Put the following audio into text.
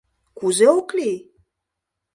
Кузе ок лий!